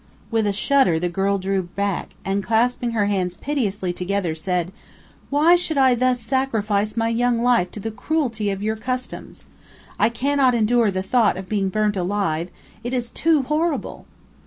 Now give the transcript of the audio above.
With a shudder the girl drew back, and clasping her hands piteously together, said: "Why should I thus sacrifice my young life to the cruelty of your customs? I cannot endure the thought of being burnt alive it is too horrible!"